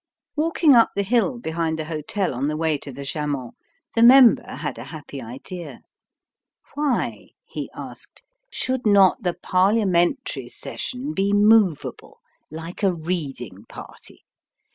Walking up the hill behind the hotel on the way to the Jaman, the Member had a happy idea. "Why," he asked, "should not the Parliamentary Session be movable, like a reading party?